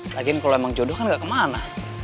lagian kalo emang jodoh kan gak kemana